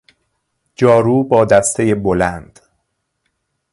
جارو با دستهی بلند